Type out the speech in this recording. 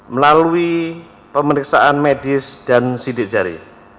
melalui pemeriksaan medis dan sidik jari